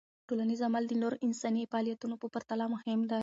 ټولنیز عمل د نورو انساني فعالیتونو په پرتله مهم دی.